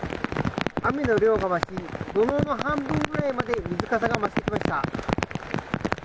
雨の量が増し土のうの半分くらいまで水かさが増してきました。